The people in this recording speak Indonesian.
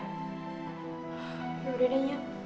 yaudah deh nya